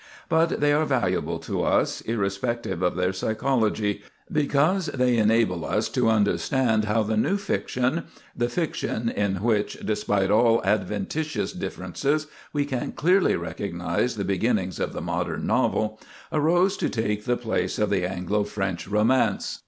But they are valuable to us, irrespective of their psychology, because they enable us to understand how the new fiction—the fiction in which, despite all adventitious differences, we can clearly recognize the beginnings of the modern novel—arose to take the place of the Anglo French romance.